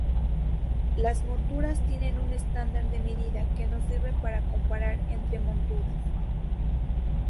Las monturas tienen un estándar de medidas que nos sirve para comparar entre monturas.